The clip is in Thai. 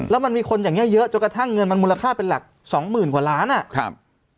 แล้วมันมีคนอย่างเยอะจนกระทั่งเงินมูลค่าเป็นหลัก๒หมื่นกว่าล้านอ่ะ